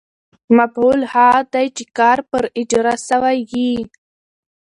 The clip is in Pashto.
مفعول هغه دئ، چي کار پر اجراء سوی يي.